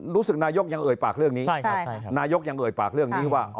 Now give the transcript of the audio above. รู้สึกนายกยังเอ่ยปากเรื่องนี้ใช่ครับใช่ครับนายกยังเอ่ยปากเรื่องนี้ว่า